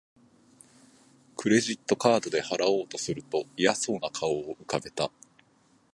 クレジットカードで払おうとすると嫌そうな顔を浮かべた